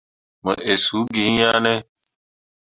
Mo inni suu gi iŋ yah ne.